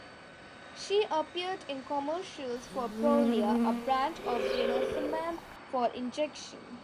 She appeared in commercials for Prolia, a brand of denosumab for injection.